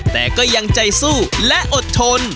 แต่ก็ยังใจสู้และอดทน